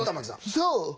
そう！